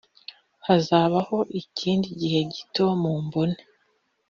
hazabaho ikindi gihe gito mumbone